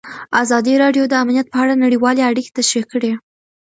ازادي راډیو د امنیت په اړه نړیوالې اړیکې تشریح کړي.